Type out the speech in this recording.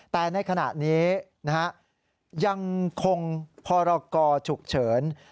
แต่ในขณะนี้ยังคงพรกรฉุกเฉิน